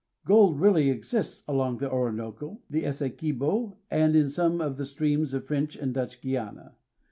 Gold really exists along the Orinoco, the Essequibo, and in some of the streams of French and Dutch Guiana.